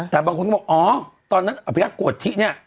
แต่บางคนก็บอกอ๋อตอนนั้นอภิรักษ์โกธิเนี่ย